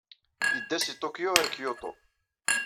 Yedda seg Tokyo ɣer Kyoto.